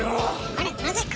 あれなぜか！